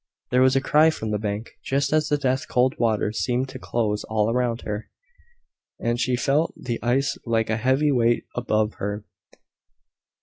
There was a cry from the bank, just as the death cold waters seemed to close all round her, and she felt the ice like a heavy weight above her.